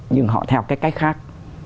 nhưng họ theo cái cách khác